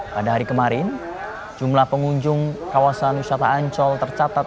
pada hari kemarin jumlah pengunjung kawasan wisata ancol tercatat